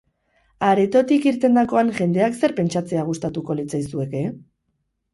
Aretotik irtendakoan jendeak zer pentsatzea gustatuko litzaizueke?